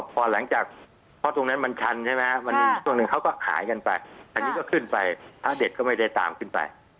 พอหลังจากเพราะตรงนั้นมันชันใช่ไหมมันมีช่วงหนึ่งเขาก็หายกันไปอันนี้ก็ขึ้นไปพระเด็ดก็ไม่ได้ตามขึ้นไป